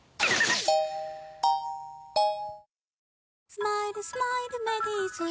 「スマイルスマイルメリーズ」